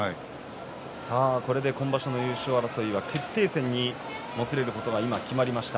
これで今場所の優勝争いは決定戦にもつれることが今、決まりました。